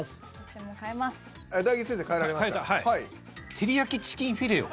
てりやきチキンフィレオ。